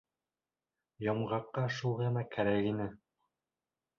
Йомғаҡҡа шул ғына кәрәк ине.